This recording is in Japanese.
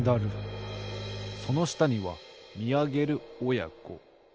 そのしたにはみあげるおやこ。